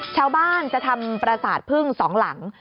ชาวบ้านจะทำประสาทพึ่งสองหลัง